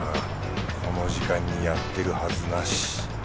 この時間にやってるはずなし。